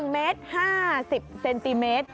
๑เมตร๕๐เซนติเมตร